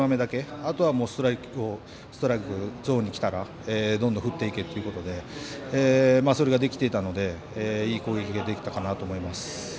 あとはストライクゾーンにきたらどんどん振っていけということでそれができていたのでいい攻撃ができたかなと思います。